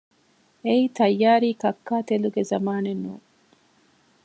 އެއީ ތައްޔާރީ ކައްކާތެލުގެ ޒަމާނެއް ނޫން